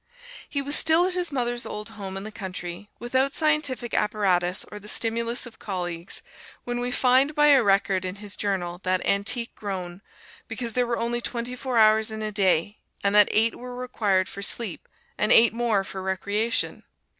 He was still at his mother's old home in the country, without scientific apparatus or the stimulus of colleagues, when we find by a record in his journal that antique groan because there were only twenty four hours in a day, and that eight were required for sleep and eight more for recreation!